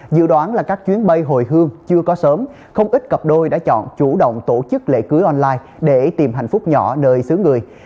dự đoán là các chuyến bay hồi hương chưa có sớm không ít cặp đôi đã chọn chủ động tổ chức lễ cưới online để tìm hạnh phúc nhỏ nơi xứ người